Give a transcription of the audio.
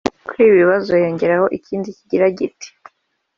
Kuri ibi bibazo hiyongeraho ikindi kigira kiti